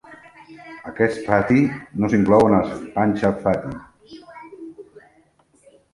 Aquest pathi no s'inclou en els Pancha pathi.